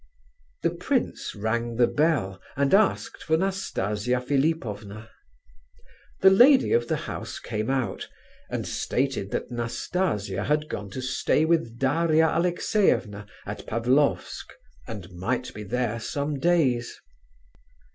The prince rang the bell, and asked for Nastasia Philipovna. The lady of the house came out, and stated that Nastasia had gone to stay with Daria Alexeyevna at Pavlofsk, and might be there some days.